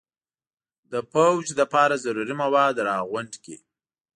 د پوځ لپاره ضروري مواد را غونډ کړي.